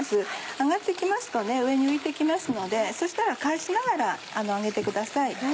揚がって来ますとね上に浮いて来ますのでそしたら返しながら揚げてください。